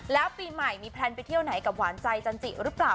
แล้วปีใหม่มีแพลนไปเที่ยวไหนกับหวานใจจันจิหรือเปล่า